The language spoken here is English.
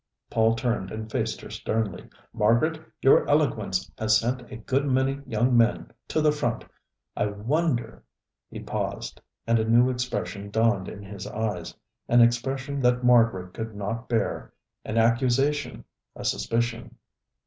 Paul turned and faced her sternly. "Margaret, your eloquence has sent a good many young men to the front. I wonder " He paused, and a new expression dawned in his eyes; an expression that Margaret could not bear: an accusation, a suspicion.